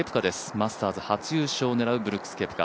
マスターズ初優勝を狙うブルックス・ケプカ。